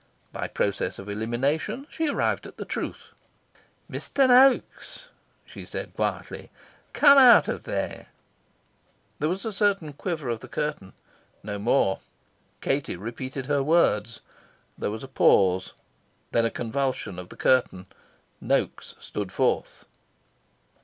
By process of elimination she arrived at the truth. "Mr. Noaks," she said quietly, "come out of there." There was a slight quiver of the curtain; no more. Katie repeated her words. There was a pause, then a convulsion of the curtain. Noaks stood forth.